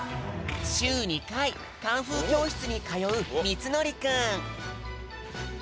しゅう２かいカンフーきょうしつにかようみつのりくん。